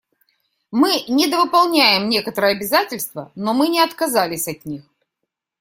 Мы недовыполняем некоторые обязательства, но мы не отказались от них.